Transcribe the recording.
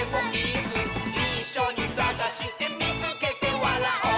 「いっしょにさがしてみつけてわらおう！」